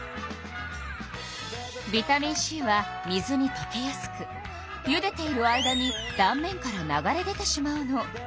ビタミンＣは水にとけやすくゆでている間にだん面から流れ出てしまうの。